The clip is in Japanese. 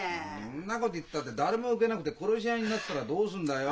そんなこと言ったって誰も受けなくて殺し合いになったらどうすんだよ？